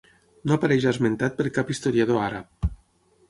No apareix esmentat per cap historiador àrab.